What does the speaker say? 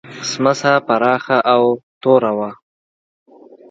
سمڅه پراخه او توره وه.